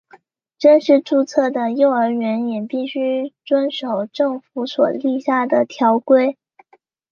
正式注册的幼儿园也必须遵守政府所立下的条规。